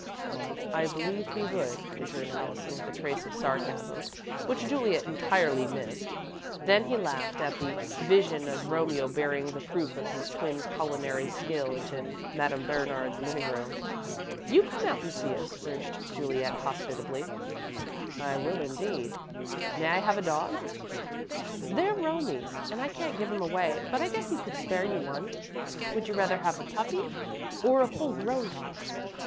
"I believe he would," returned Allison, with a trace of sarcasm which Juliet entirely missed. Then he laughed at the vision of Romeo bearing the proof of his twin's culinary skill into Madame Bernard's living room. "You come out and see us," urged Juliet, hospitably. "I will, indeed. May I have a dog?" "They're Romie's and I can't give 'em away, but I guess he could spare you one. Would you rather have a puppy or a full grown dog?"